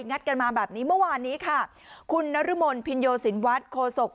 ัดกันมาแบบนี้เมื่อวานนี้ค่ะคุณนรมนพินโยสินวัฒน์โคศก